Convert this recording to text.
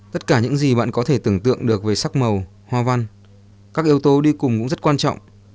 tất cả những gì bạn có thể tưởng tượng được về sắc màu hoa văn các yếu tố đi cùng cũng rất quan trọng